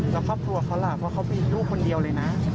แล้วครอบครัวเขาล่ะเพราะเขาเป็นลูกคนเดียวเลยนะ